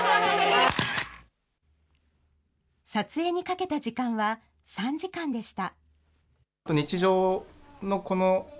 撮影にかけた時間は３時間でした。